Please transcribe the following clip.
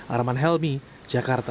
arman helmi jakarta